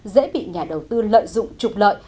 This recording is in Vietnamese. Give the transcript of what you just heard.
dễ bị nhà đầu tư lợi dụng trục lợi